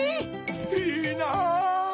いいな。